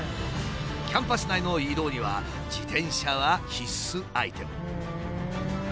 キャンパス内の移動には自転車は必須アイテム。